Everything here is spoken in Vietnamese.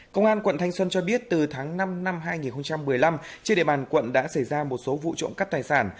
công an quận thanh xuân cho biết từ tháng năm năm hai nghìn một mươi năm trên địa bàn quận đã xảy ra một số vụ trộm cắp tài sản